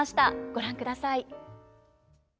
ご覧ください。